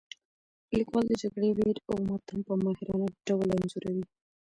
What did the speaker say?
لیکوال د جګړې ویر او ماتم په ماهرانه ډول انځوروي.